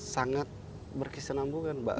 sangat berkesinambungan mbak